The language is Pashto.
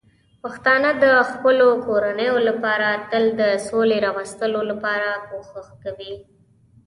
پښتانه د خپلو کورنیو لپاره تل د سولې راوستلو لپاره کوښښ کوي.